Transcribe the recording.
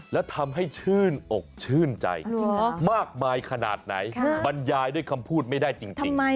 แล้วทำให้ชื่นอกชื่นใจมากมายขนาดไหนบรรยายด้วยคำพูดไม่ได้จริง